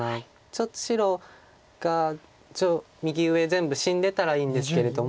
ちょっと白が右上全部死んでたらいいんですけれども。